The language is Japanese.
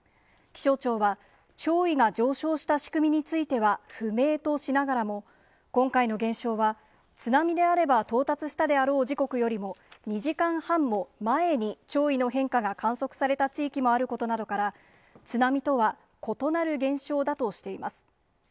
気象庁は、潮位が上昇した仕組みについては不明としながらも、今回の現象は、津波であれば到達したであろう時刻よりも２時間半も前に、潮位の変化が観測された地域もあることなどから、津波とは異なる現象だとしています。